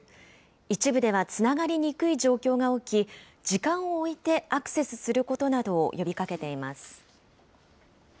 一部ではつながりにくい状況が起き、時間を置いてアクセスすることなどを呼びかけています。